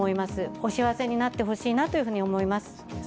お幸せになってほしいなと思います。